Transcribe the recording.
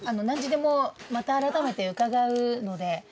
何時でもまた改めて伺うので。